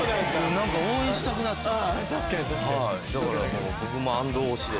何か応援したくなっちゃって。